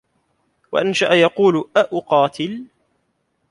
وَأَنْشَأَ يَقُولُ أَأُقَاتِلُ